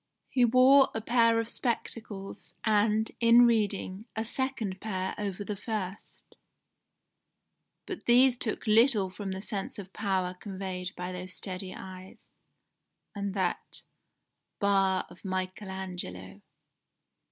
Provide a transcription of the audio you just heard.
He wore a pair of spectacles, and, in reading, a second pair over the first: but these took little from the sense of power conveyed by those steady eyes, and that 'bar of Michael Angelo.